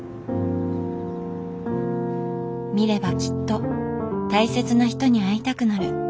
見ればきっと大切な人に会いたくなる。